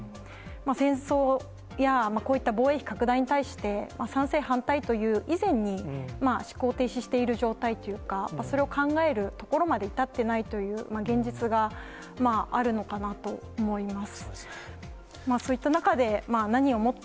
戦争や、こういった防衛費拡大に対して、賛成、反対という以前に、思考停止している状態というか、それを考えるところまで至っていないという現実があるのかなと思います。